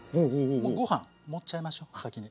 もうご飯盛っちゃいましょう先に。